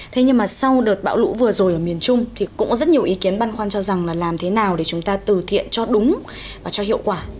thế nhưng mà sau đợt bão lũ vừa rồi ở miền trung thì cũng có rất nhiều ý kiến băn khoăn cho rằng là làm thế nào để chúng ta từ thiện cho đúng và cho hiệu quả